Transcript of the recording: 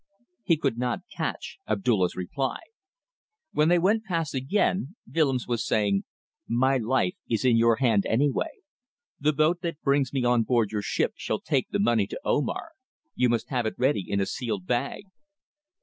He could not catch Abdulla's reply. When they went past again, Willems was saying "My life is in your hand anyway. The boat that brings me on board your ship shall take the money to Omar. You must have it ready in a sealed bag."